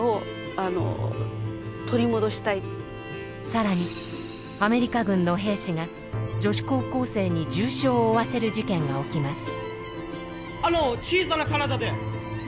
更にアメリカ軍の兵士が女子高校生に重傷を負わせる事件が起きます。